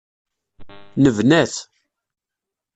Nebna-t.